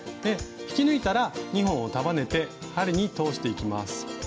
引き抜いたら２本を束ねて針に通していきます。